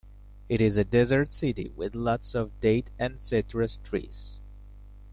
It is a desert city with lots of date and citrus trees.